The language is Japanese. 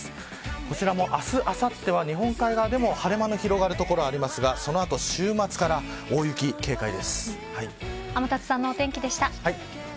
こちらも、明日あさっては日本海側でも晴れ間の広がる所が多いですがその後、週末から天達さんのお天気でした。